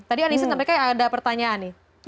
tadi anissa sampaikan ada pertanyaan nih